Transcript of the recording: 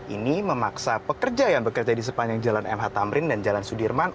ini memaksa pekerja yang bekerja di sepanjang jalan mh tamrin dan jalan sudirman